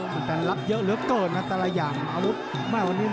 แฟนรับเยอะเหลือเกินนะแต่ละอย่าง